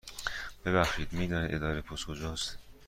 ببخشید، می دانید اداره پست کجا است؟